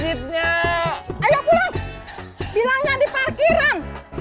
bilangnya di parkiran